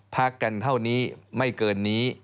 พักกันเท่านี้ไม่เกินนี้